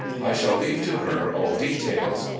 I shall leave to her all details.